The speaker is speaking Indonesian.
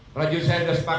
prajurit saya sudah sepakat